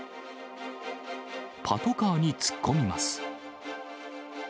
パトカーに突っ込みます。